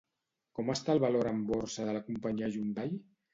Com està el valor en borsa de la companyia Hyundai?